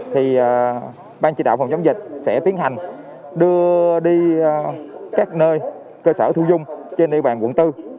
thì ban chỉ đạo phòng chống dịch sẽ tiến hành đưa đi các nơi cơ sở thu dung trên địa bàn quận bốn